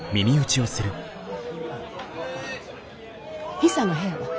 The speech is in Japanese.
ヒサの部屋は？